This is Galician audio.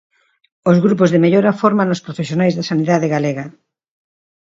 Os grupos de mellora fórmano os profesionais da sanidade galega.